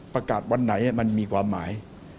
ประกาศวันไหนมันมีความหมาย